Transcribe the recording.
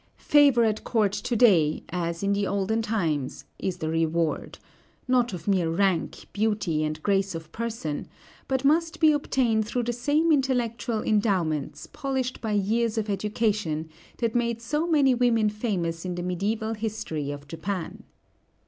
Favor at court to day, as in the olden times, is the reward, not of mere rank, beauty, and grace of person, but must be obtained through the same intellectual endowments, polished by years of education, that made so many women famous in the mediæval history of Japan.